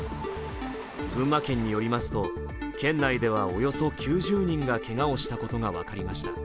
群馬県によりますと県内ではおよそ９０人がけがをしたことが分かりました。